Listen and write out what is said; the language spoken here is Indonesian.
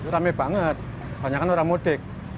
rame banget banyak kan orang mudik